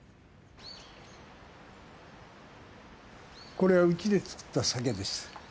これはうちで造った酒です。